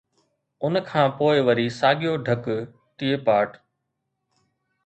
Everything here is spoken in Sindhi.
ان کان پوءِ وري ساڳيو ڍڪ ٽي پاٽ.